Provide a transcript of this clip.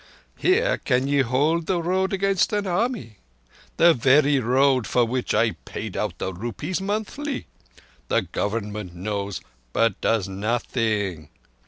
Here can ye hold the road against an army'—the very roads for which I paid out the rupees monthly. The Government knows, but does nothing.